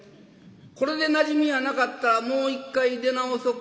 これでなじみやなかったらもう一回出直そか？」。